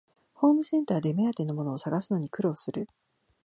ホームセンターで目当てのものを探すのに苦労する